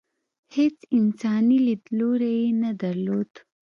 هېڅ انساني لیدلوری یې نه درلود.